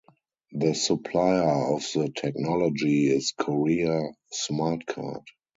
The supplier of the technology is Korea Smart Card.